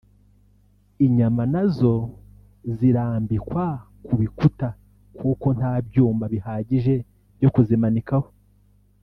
inyama nazo zirambikwa ku bikuta kuko nta byuma bihagije byo kuzimanikaho